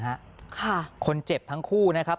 ค่ะคนเจ็บทั้งคู่นะครับ